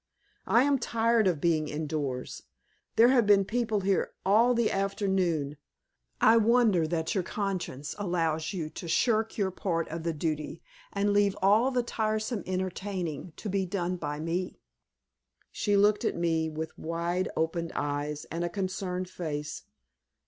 "I am tired of being indoors. There have been people here all the afternoon. I wonder that your conscience allows you to shirk your part of the duty and leave all the tiresome entertaining to be done by me!" She looked at me with wide opened eyes and a concerned face.